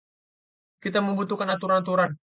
Kita membutuhkan aturan-aturan.